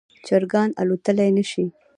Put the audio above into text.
چرګان الوتلی نشي